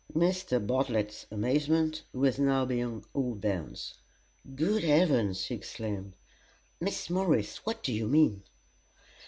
Mr. Bartlett's amazement was now beyond all bounds, "Good Heavens!" he exclaimed, "Miss Morris, what do you mean?"